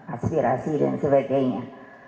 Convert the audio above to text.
aspirasi dan sebagainya